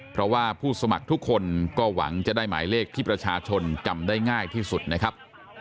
เพราะว่าผู้สมัครทุกคนก็หวังจะได้หมายเลขที่ประชาชนจำได้ง่ายที่สุดนะครับ